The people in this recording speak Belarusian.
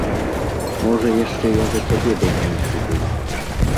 Можа яшчэ я за цябе бяднейшы быў!